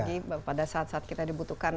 lagi pada saat saat kita dibutuhkan